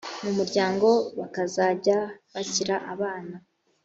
mu muryango bakazajya bakira abana